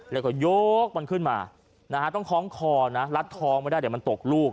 แล้วก็ยกมันขึ้นมานะฮะต้องท้องคอนะรัดท้องไม่ได้เดี๋ยวมันตกลูก